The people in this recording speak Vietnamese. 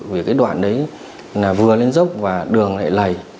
vì cái đoạn đấy là vừa lên dốc và đường lại lầy